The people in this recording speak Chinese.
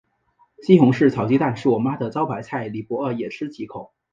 西红柿炒鸡蛋是我妈的招牌菜，你不饿也吃几口。